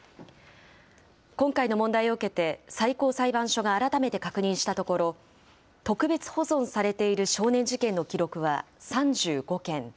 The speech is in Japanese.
今回の問題を受けて、最高裁判所が改めて確認したところ、特別保存されている少年事件の記録は３５件。